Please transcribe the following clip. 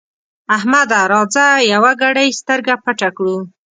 احمده! راځه يوه ګړۍ سترګه پټه کړو.